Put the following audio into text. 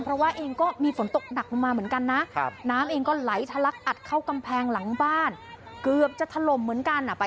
เพราะว่าเองก็มีฝนตกหนักลงมาเหมือนกันนะ